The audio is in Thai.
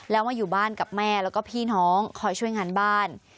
แล้วมาอยู่บ้านกับแม่แล้วก็พี่น้องคอยช่วยงานบ้าน